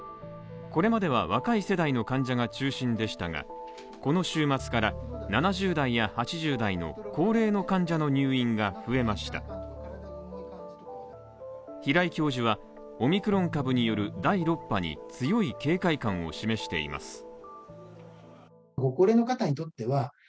これまでは若い世代の患者が中心でしたが、この週末から７０代や８０代の高齢の患者の入院が増えました平井教授はオミクロン株による第６波に強い警戒感を示しています。